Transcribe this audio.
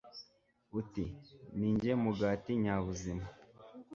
uti ni njye mugati nyabuzima